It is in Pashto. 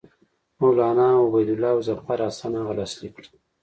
مولنا عبیدالله او ظفرحسن هغه لاسلیک کړه.